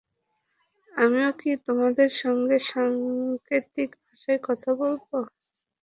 আমিও কি তোমাদের সঙ্গে সাংকেতিক ভাষায় কথা বলব?